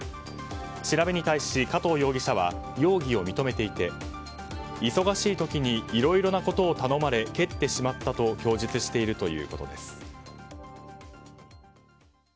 調べに対し、加藤容疑者は容疑を認めていて忙しいときにいろいろなことを頼まれ蹴ってしまったと供述しているということです。